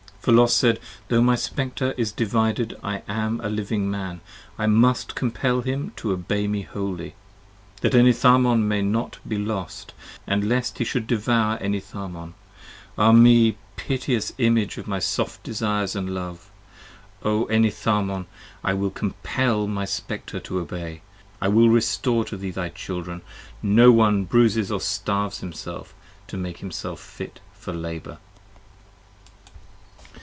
For Los said : Tho' my Spectre is divided, as I am a Living Man I must compell him to obey me wholly: that Enitharmon may not Be lost, & lest he should devour Enitharmon: Ah me! Piteous image of my soft desires & loves: O Enitharmon! 20 I will compell my Spectre to obey: I will restore to thee thy Children. No one bruises or starves himself to make himself fit for labour!